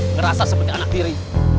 ngerasa seperti anak diri